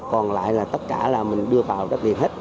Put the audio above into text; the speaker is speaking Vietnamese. còn lại là tất cả là mình đưa vào đất liền hết